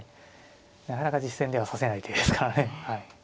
なかなか実戦では指せない手ですからね。